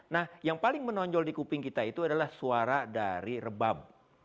nah yang paling menonjol di kuping kita itu adalah suara dari rebab